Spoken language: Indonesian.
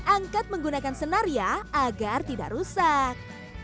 angkat menggunakan senarya agar tidak rusak